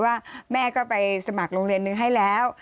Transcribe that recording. ว่าแม่ก็ไปสมัครโรงเรียนนึงให้แล้ว